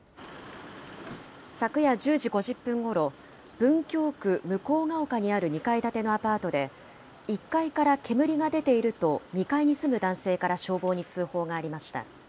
昨夜１０時５０分ごろ、文京区向丘にある２階建てのアパートで１階から煙が出ていると、２階に住む男性から消防に通報がありました。